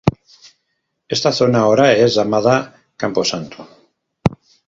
Esta zona ahora es llamada Camposanto.